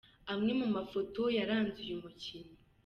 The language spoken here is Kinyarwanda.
Amwe mu mafoto yaranze uyu mukino.